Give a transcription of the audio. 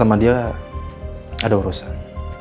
saya dan dia ada urusan